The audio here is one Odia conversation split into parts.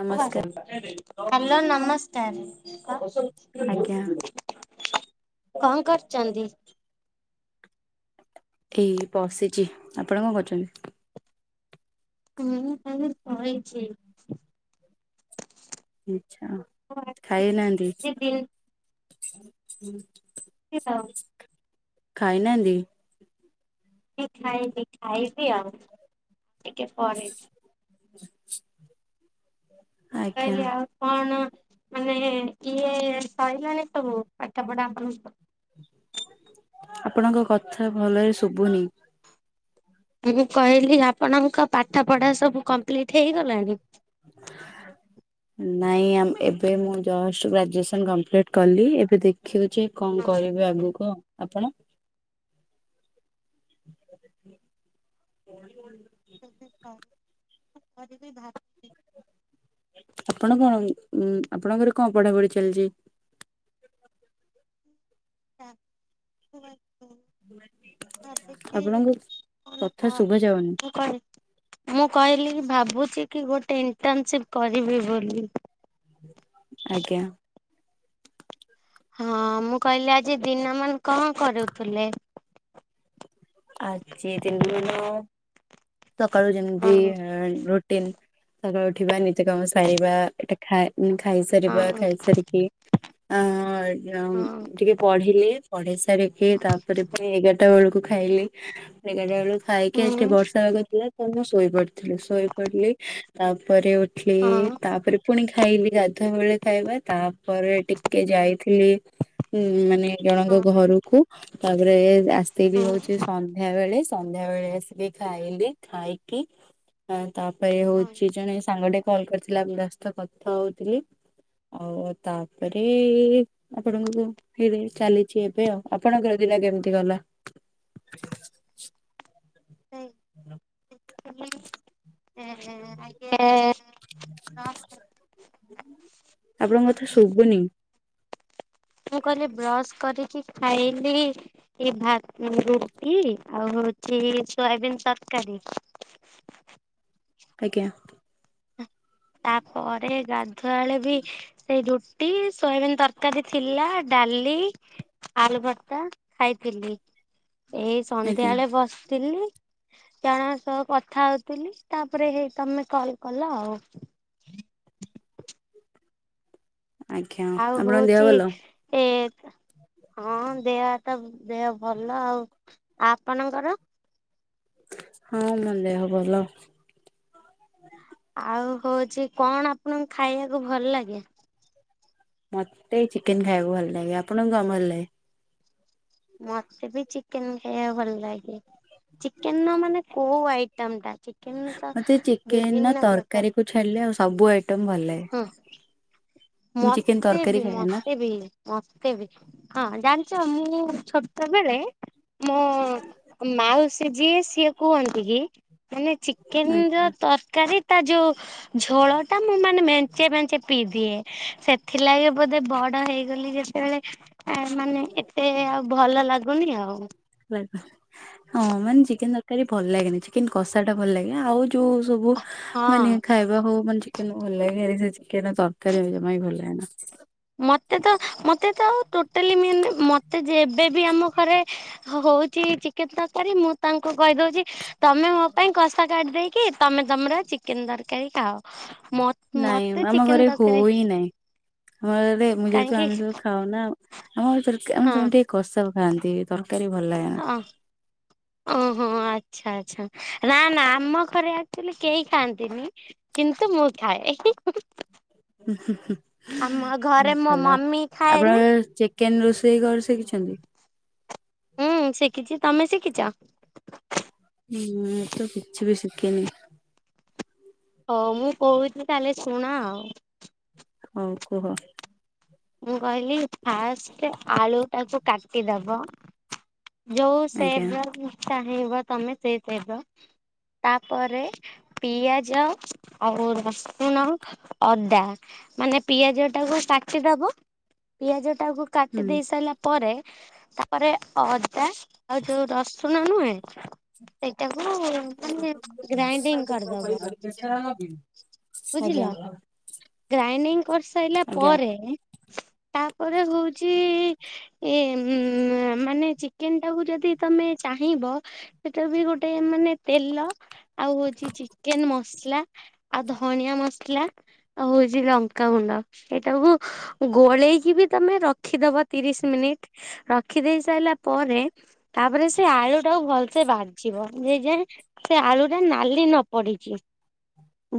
ନମସ୍କାର ହ୍ୟାଲୋ ନମସ୍କାର। ଆଜ୍ଞା କଣ କରୁଚନ୍ତିି? ଏଇ ବସିଛି। ଆପଣ କଣ କରୁଛନ୍ତି? ହୁଁ ମାନେ ବଇଛି। ଆଛା। ଖାଇନାହାନ୍ତି? [unintelligible] ଖାଇନାହାନ୍ତି? ଖାଇବି ଖାଇବି ଆଉ ଟିକେ ପରେ। ଆ ମୁଁ କହିଲି ଆଉ କଣ ମାନେ ଇଏ ସଇଲାଣିି ସବୁ ପାଠ ପଢା ଆପଣଙ୍କ? ଆପଣଙ୍କ କଥା ଭଲରେ ଶୁବୁନି। ମୁଁ କହିଲି ଆପଣଙ୍କ ପାଠ ପଢା ସବୁ କମ୍ପ୍ଲିଟ ହେଇଗଲାଣି। ନାଇଁ ଆମେ ଏବେ ମୁଁ ଜଷ୍ଟ ଗ୍ରାଜୁଏସନ୍ କମ୍ପ୍ଲିଟ କଲି ଏବେ ଦେଖିବି। ଯିଏ କଣ କରିବେ ଆଗକୁ ଆପଣ? [unintelligible] [unintelligible] ଆପଣ କଣ ଉଁ ଆପଣଙ୍କର କଣ ପଢ଼ାପଢ଼ି ଚାଲିଛି? [unintelligible] [unintelligible] ଆପଣଙ୍କ କଥା ଶୁଭା ଯାଉନି ମୁଁ କହିଲି କି ଭାବୁଛି କି ଗୋଟେ ଇଣ୍ଟର୍ନଶିପ୍ କରିବି ବୋଲି। ଆଜ୍ଞା। ହଁ ମୁଁ କହିଲି ଆଜି ଦିନ ମାନ କଣ କରୁଥିଲେ? ଆଜି ଦିନ ମାନ ସକାଳୁ ହଁ ଯେମତି ରୋ ରୁଟିନ ସକାଳୁ ଉଠିବା ନିତ୍ୟ କାମ ସାରିବା ଏଟା ଖାଇ ଖାଇସାରିବା ହଁ ଖାଇ ସାରିକି ଆଁ ହଁ ଟିକେ ପଢ଼ିଲି। ପଢେଇ ସାରିକି ତା ପରେ ପୁଣି ଏଗାରଟା ବେଳକୁ ଖାଇଲି ଏଗାରଟା ବେଳକୁ ଖାଇକି ହୁଁ ଆଜି ଟିକେ ବର୍ଷା ପାଗ ଥିଲା ତ ମୁଁ ଶୋଇ ପଡ଼ିଥିଲି ଶୋଇ ପଡ଼ିଲି ତା ପରେ ଉଠିଲି ହଁ ତା ପରେ ପୁଣି ଖାଇଲି ଗାଧୁଆବଳେ ଖାଇବା ତାପରେ ଟିକେ ଯାଇଥିଲି ହୁଁ ମାନେ ଜଣଙ୍କ ହଁ ଘରକୁ ତା ପରେ ଆସ୍ତେ କି ହୁଁ ହଉଛି। ସନ୍ଧ୍ୟା ବେଳେ ସନ୍ଧ୍ୟା ବେଳେ ଆସିକି ଖାଇଲି ଖାଇକି ଆଁ ତାପରେ ହଉଛି। ଜଣେ ସାଙ୍ଗଟେ କଲ କରିଥିଲା ମୁଁ ତା ସହ କଥା ହଉଥିଲି। ଆଉ ତା ପରେ। ଆପଣ [unintelligible] ଚାଲିଛି ଏବେ ଆଉ ଆପଣଙ୍କର ଦିନ କେମିତି ଗଲା? [inaudible] [unintelligible] [inaudible] ଆପଣଙ୍କ କଥା ଶୁଭୁନି? ମୁଁ କହିଲି ବ୍ରସ୍ କରିକି ଖାଇଲି। ଏ ଭାତ ରୁଟି ଆଉ ହେଉଛି ସୋୟାବିନ ତରକାରୀ। ଆଜ୍ଞା! ତା ପରେ ଗାଧୁଆ ବେଳେ ବି ସେଇ ରୁ ରୁଟି, ସୋୟାବିିନ ତରକାରୀ ଥିଲା, ଡାଲି, ଆଳୁଭର୍ତ୍ତା, ଖାଇଥିଲି। ଏଇ ସନ୍ଧ୍ୟା ଆଜ୍ଞା ବେଳେ ବସିଥିଲି। ଜଣଙ୍କ ସହ କଥା ହଉଥିଲି। ତାପରେ ହେଇ ତମେ କଲ କଲ ଆଉ। ଆଜ୍ଞା ଆଉ ଆପଣଙ୍କ ଦେହ ହଉଛି। ଭଲ? ଏ ହଁ ଦେହ ହାତ ଦେହ ଭଲ ଆଉ ଆପଣଙ୍କର? ହଁ, ମୋ ଦେହ ଭଲ। ଆଉ ହଉଛି କଣ ଆପଣଙ୍କୁ ଖାଇବାକୁ ଭଲ ଲାଗେ? ମତେ ଚିକେନ୍ ଖାଇବାକୁ ଭଲ ଲାଗେ। ଆପଣଙ୍କୁ କଣ ଭଲ ଲାଗେ? ମତେ ବି ଚିକେନ ଖାଇବାକୁ ଭଲ ଲାଗେ। ଚିକେନ ର ମାନେ କୋଉ ଆଇଟମ ଟା? ଚିକେନ ତ ମତେ ଚିକେନ ବିଭିନ୍ନ ପ୍ରକାର ତରକାରୀକୁ ଛାଡ଼ିଲେ ଆଉ ସବୁ ଆଇଟମ ଭଲ ଲାଗେ। ହଁ ମୁଁ ଚିକେନ ମତେ ବି ତରକାରୀ ଖାଏ ନା। ମତେ ବି ମତେ ବି ହଁ, ଜାଣିଛ ମୁଁ ଛୋଟ ବେଳେ ମୋ ମାଉସୀ ଯିଏ, ସିଏ କୁହନ୍ତି କି ମାନେ ଚିକେନର ଆଜ୍ଞା। ତରକାରୀ। ତା ଯୋଉ ଝୋଳ ଟା ମୁଁ, ମେଞ୍ଚେ ମେଞ୍ଚେ ପିଇ ଦିଏ। ସେଥିଲାଗି ବୋଧେ ବଡ ହେଇଗଲି ଯେତେବେଳେ ଏ ମାନେ ଏତେ ଆଉ ଭଲ ଲାଗୁନି ଆଉ। ହଁ ମାନେ ଚିକେନ ତରକାରୀ ଭଲ ଲାଗେନି। ଚିକେନ କଷା ଟା ଭଲ ଲାଗେ। ଆଉ ଯୋଉ ସବୁ ହେଁ ମାନେ ହଁ ଖାଇବା ହଉ ମାନେ ଚିକେନ ଭଲ ଲାଗେ ହେରି ସେ ଚିକେନର ତରକାରୀ ଜମା ବି ଭଲ ଲାଗେନା। ମତେ ତ -ମତେ ତ ଟୋଟାଲି ମାନେ ମତେ ଯେବେ ବି ଆମ ଘରେ ହଉଛି ଚିକେନ ତରକାରୀ, ମୁଁ ତାଙ୍କୁ କହି ଦେଉଛି। ତମେ ମୋ ପାଇଁ କଷା କାଢି ଦେଇକି। ତମେ ତମର ଚିକେନ ତରକାରୀ ଖାଅ ମୋ ନାଇଁ, ଆମ ଘରେ ହଉ ହିଁ ନାଇଁ। ଆମଘରେ ମୁଁ ଯେହେତୁ କାହିଁକି ଆମେ ସବୁ ଖାଉ ନା ଆମ ଭିତରେ ଆମେ ହଁ ସବୁ ଟିକେ କଷା ଖାଆନ୍ତି। ତରକା ତରକାରୀ ଭଲ ଲାଗେ। ଆ ଓହୋ! ଆଚ୍ଛା! ଆଚ୍ଛା! ନା -ନା ଆମ ଘରେ ଆର୍କଚୁୟାଲୀ କେହି ଖାଆନ୍ତିନ? କିନ୍ତୁ ମୁଁ ଖାଏ। ଏ ହିଁ ହୁଁ -ହୁଁ -ହୁଁ- ହୁଁ ଘରେ ମୋ ଭଲ ମମି ଖାଏନି। ଆପଣଙ୍କର ଚେକ୍ କେନ୍ ରୋଷେଇ କରି ଶିଖିଛନ୍ତି। ହୁଁ, ଶିଖିଛି ତମେ ଶିଖିଚ। ହୁଁ ମୁଁ ତ କିଛି ବି ଶିଖିନି। ହୋଉ ମୁଁ କୋଉଚି କାଲେ ଶୁଣ ଆଉ। ହୋଉ କୁହ। ମୁଁ କହିଲି ଫାଷ୍ଟ୍ ଆଳୁ ଟାକୁ କାଟିଦବ। ଯୋଉ ଆଜ୍ଞା ସେବ୍ର ଚାହିଁବ ତମେ ସେଇ ସେବ୍ର ତା ପରେ ପିଆଜ ଆଉ ରସୁଣ ଅଦା ମାନେ ପିଆଜ ଟାକୁ କା କାଟି ଦବ ପିଆଜ ଟାକୁ କାଟି ହୁଁ ଦେଇ ସାରିଲା ପରେ ତାପରେ ଅଦା ଆଉ ଯୋଉ ରସୁଣ ନୁହେଁ ସେଟାକୁ ମାନେ ଗ୍ରାଇଡିଙ୍ଗ କର୍ ଦବ। ଆଜ୍ଞା ବୁଝିଲା? ଗ୍ରାଇଡିଙ୍ଗ୍ କରିସାଇଲା ଆଜ୍ଞା ପରେ ଉଁ, ତାପରେ ହୋଉଚି ଇଏ ମ୍-ମାନେ ଚିକେନ ଟାକୁ ଯଦି ତମେ ଚାହିଁବ। ଏଟା ବି ଗୋଟେ ମାନେ ତେଲ ଆଉ ହୋଉଛି ଚିକେନ ମସ୍ଲା। ଆଉ ଧନିଆ ମସ୍ଲା ଆଉ ହୋଉଛି ଲଙ୍କାଗୁଣ୍ଡ ଏଇଟା କୁ ଗୋଳେଇକି ବି ତମେ ରଖିଦବ ତିରିଶ୍ ମିନିଟ୍ ରଖିଦେଇ ସାଇଲା ପରେ ତାପରେ ସେ ଆଳୁ ଟାକୁ ଭଲ୍ ସେ ଭାଯିବ ନିଜେରେ ସେ ଆଳୁ ଟା ନାଲି ନ ପଡ଼ିଚି।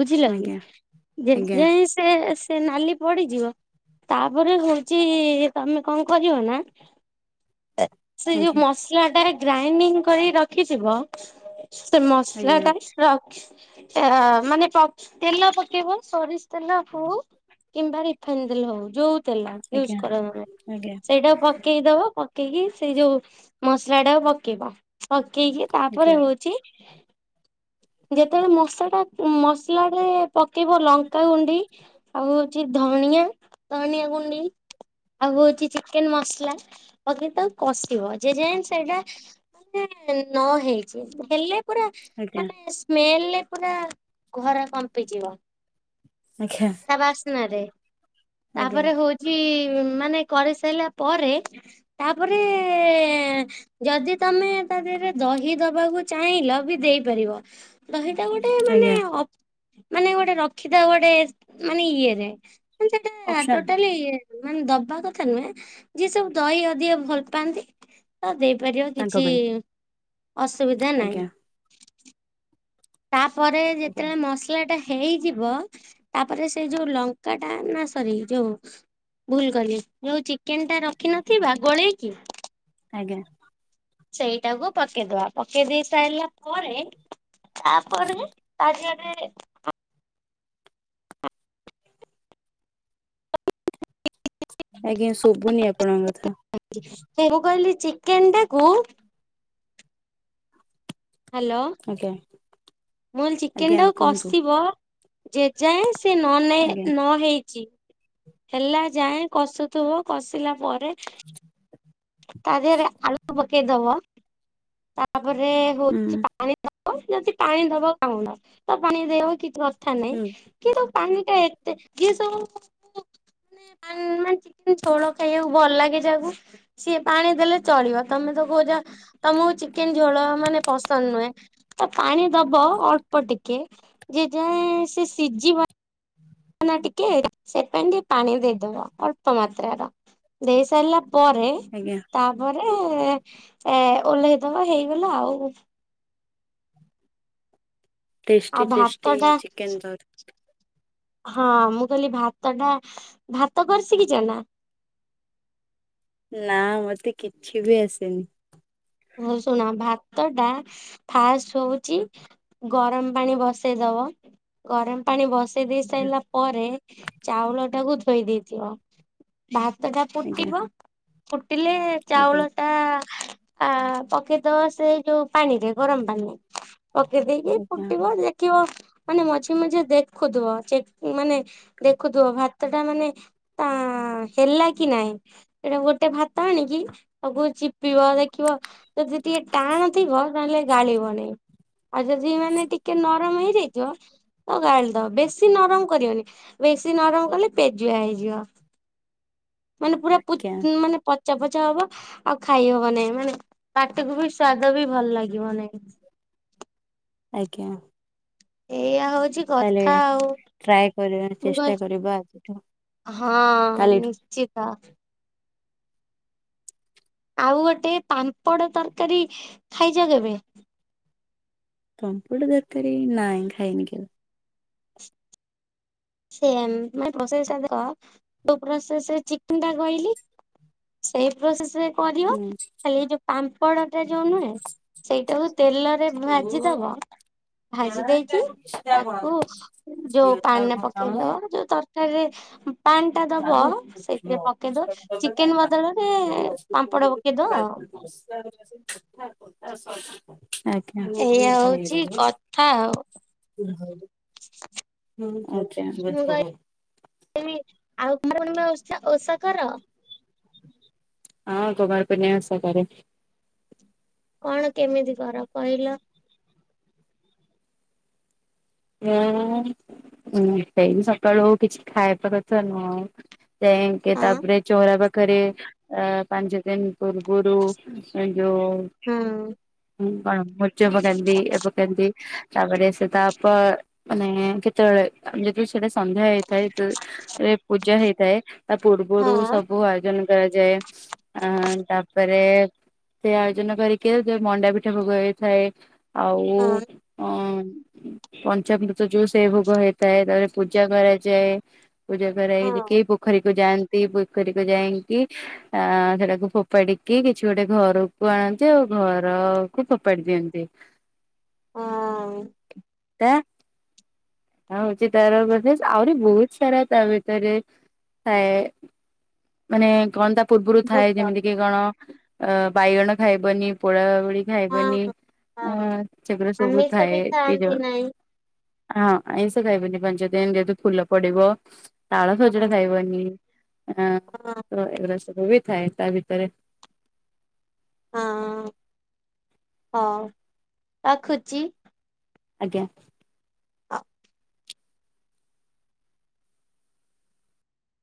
ବୁଝିଲ କି ଆଜ୍ଞା ଯେ ଆଜ୍ଞା ଯେମିତି ସେ ସେ ନାଲି ପଡିଯିବ। ତାପରେ ହୋଉଚି ତମେ କଁ କରିବ ନା ଏଁ ସେଇ ଯୋଉ ଆଜ୍ଞା ମସ୍ ମସ୍ଲା ଟାରେ ଗ୍ରାଇଣ୍ଡିଙ୍ଗ କରିକି ରଖିଥିବ ସେ ଆଜ୍ଞା ମସ୍ଲା ଆଜ୍ଞା ଟା ରକ୍ସ ଏ -ଅ-ମାନେ ପ ତେଲ ପକେଇବ ସୋରିଷ୍ ତେଲ ହୋଉ। କିମ୍ବା ରିଫାଇନ଼ ତେଲ ହୋଉ ଯୋଉ ତେଲ ୟୁଜ୍ ଆଜ୍ଞା କର ତମେ ଆଜ୍ଞା ସେଇଟାକୁ ଫକେ ପକେଇଦବ, ପକେଇକି ସେଇ ଯୋଉ ମସ୍ଲା ଟାକୁ ପକେଇବ। ପକେଇକି ଆଜ୍ଞା ତାପରେ ହୋ ଚି ଯେତେବେଳେ ମଶା ଟା ମସ୍ଲା ରେ ପକେଇବ ଲଙ୍କାଗୁଣ୍ଡି। ଆଉ ହୋଉଚି ଧଣିଆଁ ଧଣିଆଁ ଗୁଣ୍ଡି ଆଉ ହୋଉଚି ଚିକେନ୍ ମସ୍ଲା। ପକେଇକି ତାକୁ କଷିବ ଯେ ଯାଏଁ ସେଇଟା ମାନେ ନ ହେଇଚି, ହେଲେ ପୁରା ମାନେ ସ୍ମେଲ୍ ରେ ପୁରା ଘର କମ୍ପିଯିବ। ଆଜ୍ଞା ତା ବାସ୍ନାରେ। ଆଜ୍ଞା ତାପରେ ହୋଉଚି ମାନେ କରିସାଇଲା ପରେ। ତା ପରେ-ଏ ଯଦି ତମେ ତା ଦେହରେ ଦହି ଦବାକୁ ଚାହିଁଲ ବି ଦେଇପାରିବ ଦହିଟା ଗୋଟେ ଆଜ୍ଞା। ଅଫ୍ ମାନେ ଗୋଟେ ରଖିଥାଉ ଗୋଟେ ଏସ୍ ମାନେ ଇଏରେ। ହଁ ସେଟା ଅପସନାଲ ତୋଟାଲୀ। ମାନେ ଦବା କଥା ନୁହେଁ, ଯିଏ ସବୁ ଦଇ ଅଧିକ ଭଲ୍ ପାଆନ୍ତି। ତ ଦେଇପାରିବ ତାଙ୍କ କିଛି ପାଇଁ ଅସୁବିଧା ନାହିଁ। ଆଜ୍ଞା ତା ପରେ ଆଜ୍ଞା ଯେତେବେଳେ ମସ୍ଲା ଟା ହେଇଯିବ, ତାପରେ ସେଇ ଯୋଉ ଲଙ୍କା ଟା ନା ସରି ଯୋଉ ଭୁଲ୍ କହିଲି, ଯୋଉ ଚିକେନ୍ ଟା ରଖିିନଥିବା ଗୋଳେଇକି ଆଜ୍ଞା। ସେଇଟାକୁ ପକେଇଦବା, ପକେଇ ଦେଇ ସାଇଲା ପରେ ତା ପରେ ତା ଧିଅରେ ଆଜ୍ଞା ଶୁଭୁନି ଆପଣଙ୍କ କଥା। [unintelligible] ମୁଁ କହିଲି ଚିକେନ୍ ଟାକୁ ହାଲୋ। ଆଜ୍ଞା। ମୁ କହିଲି ଚିକେନ୍ ଆଜ୍ଞା ଟାକୁ କୁହନ୍ତୁ। କଷିବ ଜେଜାଏଁ ସେ ନ ନେଇ ଆଜ୍ଞା ନ ହେଇଚି। ହେଲା ଯାଏଁ କଷୁଥିବ, କଷିଲା ପରେ ତା ଦେହରେ ଆଳୁ ପକେଇ ଦବ, ତାପରେ ହୁଁ ହଉଚି ପାଣି ଦବ ଯଦି ପାଣି ଦବ [unintelligible] ତ ପାଣି ଦେବ କିଛି କଥା ହୁଁ ନାହିଁ। କିନ୍ତୁ ପାଣି ଟା ଏତେ ଯିଏ ସବୁ ମାନ୍ ମାନେ ଚିକେନ୍ ଝୋଳ ଖାଇବାକୁ ଭଲ ଲାଗେ ଯାହାକୁ ସିଏ ପାଣି ଦେଲେ ଚଳିବ ତମେ ତ କହୁଚ ତ ମୁଁ ଚିକେନ୍ ଝୋଳ ମାନେ ପସନ୍ଦ ନୁହେଁ ତ ପାଣି ଦବ ଅଳ୍ପ ଟିକେ। ଯେ ଯାଏଁ ସେ ସିଜିବ। ନା ଟିକେ ସେଥିପାଇଁ ଟିକେ ପାଣି ଦେଇଦବ ଅଳ୍ପ ମାତ୍ରାର। ଦେଇ ସାରିଲା ପରେ ଆଜ୍ଞା। ତାପରେ ଏଁ ଓଲ୍ହେଇଦବା ହେଇଗଲା ଆଉ। ଆଉ ଭାତ ଟେଷ୍ଟି-ଟେଷ୍ଟି ଟା ଚିକେନ୍ ତର ହଁ ମୁଁ କହିଲି ଭାତ ଟା ଭାତ କରି ସିକିଚ ନା? ନା ମତେ କିଛି ବି ଆସେନି। ହଉ ଶୁଣ ଭାତ ଟା ଫାଷ୍ଟ ହଉଚି ଗରମ ପାଣି ବସେଇ ଦବ, ଗରମ ପାଣି ବ [unintelligible] ଦେଇ ଆଜ୍ଞା ସାଇଲା ପରେ ଚାଉଳ ଟାକୁ ଧୋଇ ଦେଇଥିବ। ଭାତ ଟା ଆଜ୍ଞା ଫୁଟିବ, ଫୁଟିଲେ ଆଜ୍ଞା ଚାଉଳ ଟା ଆ ପକେଇ ଦବ ସେ ଯୋଉ ପାଣିରେ ଗରମ ପାଣିରେ। ପକେଇ ଦେଇକି ଫୁଟିବ ଦେଖିବ ମାନେ ମଝି ମଝିରେ ଦେଖୁଥିବ ମାନେ ଦେଖୁଥିବ ଭାତ ଟା ମାନେ ତା ହେଲା କି ନାହିଁ। [unintelligible] ଗୋଟେ ଭାତ ଆଣିକି ତାକୁ ଚିପିବ ଦେ ଖିବ ଯଦି ଟିକେ ଟାଣଥିବ ତାହେଲେ ଗାଳିବନି। ଆଉ ଯଦି ମାନେ ଟିକେ ନରମ ହେଇଯାଇଥିବ ତ ଗାଳିଦବ, ବେଶୀ ନରମ କରିବନି। ବେଶୀ ନରମ କଲେ ପେଜୁଆ ହେଇଯିବ, ମାନେ ପୁରା ଆଜ୍ଞା ପୁତ୍ ମାନେ ପଚା-ପଚା ହବ, ଆଉ ଖାଇ ହବ ନାଇଁ ମାନେ ପାଟିକୁ ବି ସ୍ଵାଦ ବି ଭଲ ଲାଗିବ ନାହିଁ। ଆଜ୍ଞା। ଏଇଆ ହଉଛି। ତାହେଲେ କଥା ଆଉ। ଟ୍ରାଏ କରିବା ମୁଁ କହି ଚେଷ୍ଟା କରିବା ଆଜିଠୁ। ହଁ କାଲିଠୁ ନିଶ୍ଚିତ। ଆଉ ଗୋଟେ ପାମ୍ପଡ ତରକାରୀ ଖାଇଛ କେବେ? ପାମ୍ପଡ ତରକାରୀ ନାଁ ଖାଇନି କେବେ? ସେୟା ମାନେ ପ୍ରୋସେସ୍ ଟା ଦେଖ, କୋଉ ପ୍ରୋସେସରେ ଚିକେନଟା କହିଲି? ସେଇ ପ୍ରୋସେସ୍ ରେ କରିବ ହୁଁ ଖାଲି ଏ ଯୋଉ ପାମ୍ପଡ ଟା ଯୋଉ ନୁହେଁ ସେଇଟାକୁ ତେଲରେ ଭାଜିଦବ। ଭାଜି ଦେଇକି ତାକୁ ଯୋଉ ପାଣିରେ ପକେଇଦବ। ଯୋଉ ତରକାରୀରେ ପାଣି ଟା ଦବ ସେଇଥିରେ ପକେଇଦ ଚିକେନ୍ ବଦଳରେ ପାମ୍ପଡ ପକେଇଦ ଆଉ। [unintelligible] ଆଜ୍ଞା ଏଇଆ ହଉଛି କଥା [unintelligible] ଆଉ ଏ ହଁ ଆଛା [unintelligible] ପଣବି ଆଉ ମାନଙ୍କ ଓଷା ଓଷା କର? ହଁ କୁମାର ପୁର୍ଣିମା ଓଷା କରେ। କଣ କେମିତି କର କହିଲ? [unintelligible] ସେଇ ସକାଳୁ କିଛି ଖାଇବା କଥା ନୁହଁ। ଯାଇକି ହଁ ତାପରେ ଚଉରା ପାଖରେ ଅ ପାଞ୍ଚ ଦିନ ପୂର୍ବୁରୁ ଏ ଯଉ ହଁ ହୁଁ କଣ ମୁର୍ଯ ପକାନ୍ତି ଏ ପକାନ୍ତି ତାପରେ ସେ ତା ତ ମାନେ କେତେବେଳେ ଯଦି ସେଟା ସନ୍ଧ୍ୟା ହେଇଥାଏ ଯେ ରେ ପୂଜା ହେଇଥାଏ ତା ପୂର୍ବରୁ ସବୁ ଆୟୋଜନ କରାଯାଏ। ଆ ତାପରେ ସେ ଆୟୋଜନ କରିକି ଯୋଉ ମଣ୍ଡାପିଠ ଭୋଗ ହେଇଥାଏ। ଆଉ ହଁ ଅଁ ପଞ୍ଚାମୃତ ଯୋଉ ସେଇ ଭୋଗ ହେଇଥାଏ ତାପରେ ପୂଜା କରାଯାଏ ପୂଜା କରା ହଁ ହେଇକି ଭୋ ପୋଖରୀକୁ ଯାଆନ୍ତି ପୋଖରୀକୁ ଯାଇଁକି ଆ ସେଟାକୁ ଫୋପାଡିକି କିଛି ଗୋଟେ ଘରକୁ ଆଣନ୍ତି ଆଉ ଘରକୁ ଫୋପାଡି ଦିଅନ୍ତି। ହଁ। ତା। ଏ ହଉଛି ତାର ବୋଧେ ଆହୁରି ବହୁତ ସାରା ତା ଭିତରେ ଥାଏ। ମାନେ କଣ ତା ପୂର୍ବରୁ ଥାଏ ଭୋଗ ଯେମିତି କି କଣ ଅ ବାଇଗଣ ଖାଇବନି ପୋଡା ପୋଡି ଖାଇବନି ହଁ ଅଁ ହଁ ସେଗୁରା ସବୁ ଆମିଷ ବି ଥାଏ କି ଯୋ ଖାଆନ୍ତି ନାହିଁ ହଁ। ଆଇଁଷ ଖାଇବନି ପାଞ୍ଚ ଦିନ ଯେହେତୁ ଫୁଲ ପଡିବ ତାଳ ହଁ ସଜଡା ଖାଇବନି। ଅଁ ହଁ ତ ଏଗୁରା ସବୁ ବି ଥାଏ ତା ଭିତରେ। ହଁ ହଉ ରଖୁଛି। ଆଜ୍ଞା। [unintelligible]